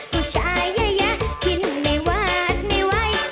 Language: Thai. ผู้ชายเยอะยะคิดไม่วาดไม่ไหว